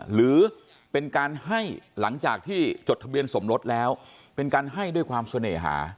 หรือเป็นการให้หลังจากที่จดทะเบียนสมรสแล้วเป็นการให้ด้วยความเสน่หา